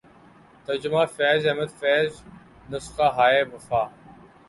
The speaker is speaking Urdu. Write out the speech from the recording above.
ترجمہ فیض احمد فیض نسخہ ہائے وفا